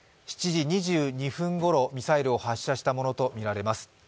７時２２分ごろ、ミサイルを発射したものとみられます。